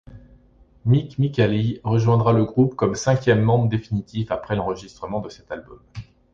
Mic Michaeli rejoindra le groupe comme cinquième membre définitif après l'enregistrement de cet album.